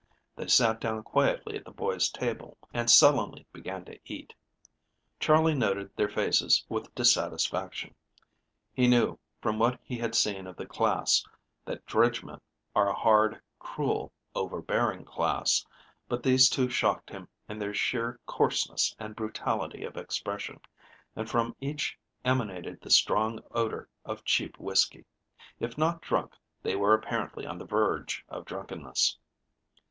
They sat down quietly at the boys' table, and sullenly began to eat. Charley noted their faces with dissatisfaction. He knew, from what he had seen of the class, that dredge men are a hard, cruel, overbearing class, but these two shocked him in their sheer coarseness and brutality of expression, and from each emanated the strong odor of cheap whiskey. If not drunk, they were apparently on the verge of drunkenness.